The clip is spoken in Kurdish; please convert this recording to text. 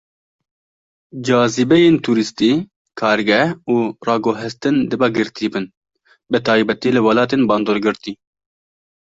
Cazîbeyên tûrîstî, kargeh, û raguhestin dibe girtî bin, bi taybetî li welatên bandorgirtî.